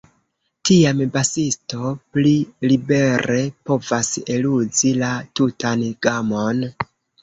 Tiam basisto pli libere povas eluzi la tutan gamon.